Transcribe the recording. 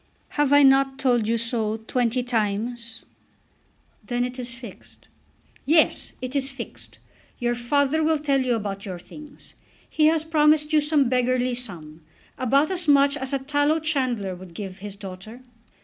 "Have I not told you so twenty times?" "Then it is fixed." "Yes; it is fixed. Your father will tell you about your things. He has promised you some beggarly sum, about as much as a tallow chandler would give his daughter."